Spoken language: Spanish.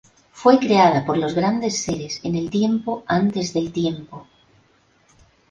Fue creada por los grandes seres en el tiempo antes del tiempo.